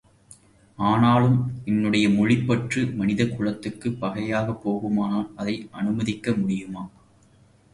ஆனாலும் என்னுடைய மொழிப்பற்று மனித குலத்திற்குப் பகையாகப் போகுமானால் அதை அனுமதிக்க முடியுமா?